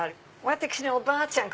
私のおばあちゃん